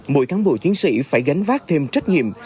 mỗi cán bộ chiến sĩ phải gánh vác thêm trách nhiệm